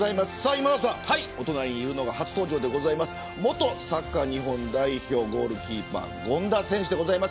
今田さん、隣にいるのが初登場でございます元サッカー日本代表ゴールキーパー権田選手です。